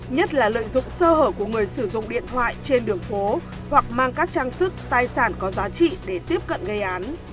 nhất là lợi dụng sơ hở của người sử dụng điện thoại trên đường phố hoặc mang các trang sức tài sản có giá trị để tiếp cận gây án